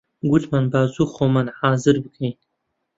گوتمان با زوو خۆمان حازر بکەین